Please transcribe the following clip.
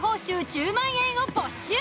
１０万円を没収。